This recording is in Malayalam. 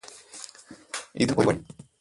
ഇതാണ് ഒരു വഴി